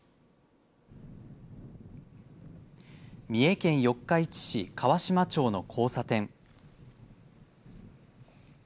三重県四日市市川島町の交差点。